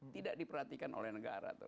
tidak diperhatikan oleh negara